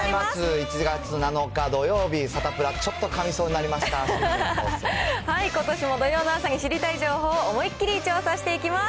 １月７日土曜日、サタプラ、ことしも土曜の朝に知りたい情報を思いっ切り調査していきます。